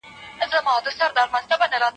ما مخکي د سبا لپاره د نوي لغتونو يادونه کړې وه!!